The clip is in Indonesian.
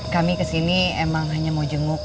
kami kesini emang hanya mau jenguk